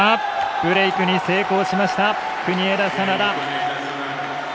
ブレークに成功しました国枝、眞田！